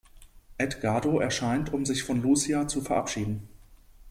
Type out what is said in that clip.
Edgardo erscheint, um sich von Lucia zu verabschieden.